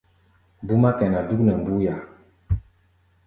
Búmá kɛná dúk nɛ mbúía.